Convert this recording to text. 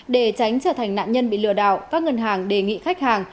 để tránh trở thành nạn nhân bị lừa đảo các ngân hàng đề nghị khách hàng